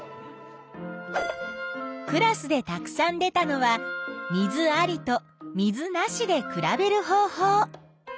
クラスでたくさん出たのは水ありと水なしで比べる方法。